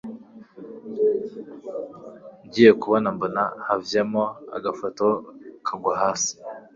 ngiye kubona mbona havyemo agafoto kagwa hasi